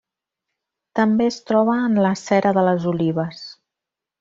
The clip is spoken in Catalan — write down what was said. També es troba en la cera de les olives.